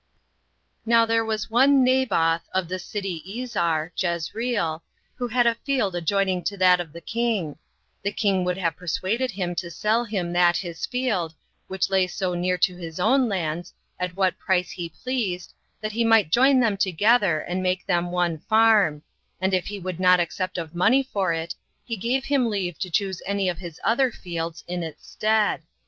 8. Now there was one Naboth, of the city Izar, [Jezreel,] who had a field adjoining to that of the king: the king would have persuaded him to sell him that his field, which lay so near to his own lands, at what price he pleased, that he might join them together, and make them one farm; and if he would not accept of money for it, he gave him leave to choose any of his other fields in its stead.